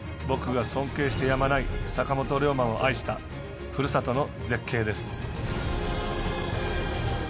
僕が尊敬してやまない坂本龍馬も愛した、ふるさとの絶景です。